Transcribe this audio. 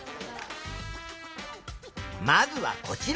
まずはこちら。